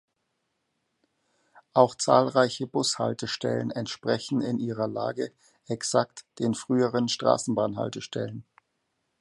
Auch zahlreiche Bushaltestellen entsprechen in ihrer Lage exakt den früheren Straßenbahnhaltestellen.